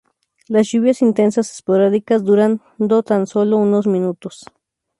Las lluvias intensas son esporádicas, durando tan sólo unos minutos.